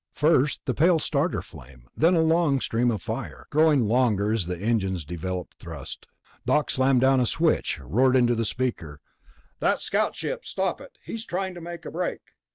First the pale starter flame, then a long stream of fire, growing longer as the engines developed thrust. Doc slammed down a switch, roared into a speaker. "That scout ship ... stop it! He's trying to make a break!"